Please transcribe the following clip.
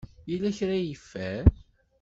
Yella kra ay yeffer?